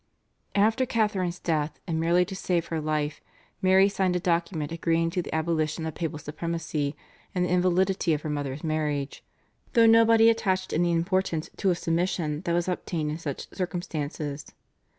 After Catharine's death and merely to save her life Mary signed a document agreeing to the abolition of papal supremacy and the invalidity of her mother's marriage, though nobody attached any importance to a submission that was obtained in such circumstances.